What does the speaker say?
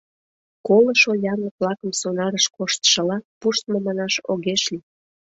Колышо янлык-влакым сонарыш коштшыла пуштмо манаш огеш лий.